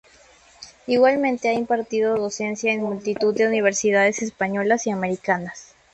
Igualmente ha impartido docencia en multitud de universidades españolas y americanas.